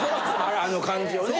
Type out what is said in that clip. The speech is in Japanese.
あの感じをね